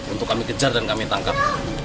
untuk kami kejar dan kami tangkap